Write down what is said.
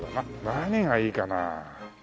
何がいいかな？